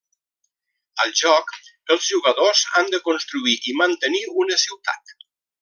Al joc, els jugadors han de construir i mantenir una ciutat.